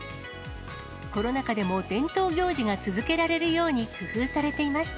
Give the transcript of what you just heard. コロナ禍でも伝統行事が続けられるように工夫されていました。